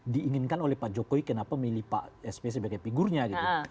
diinginkan oleh pak jokowi kenapa milih pak sp sebagai figurnya gitu